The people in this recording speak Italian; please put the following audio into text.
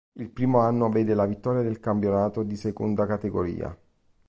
Il primo anno vede la vittoria del campionato di Seconda Categoria.